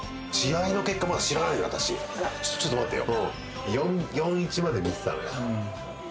ちょっと待ってよ。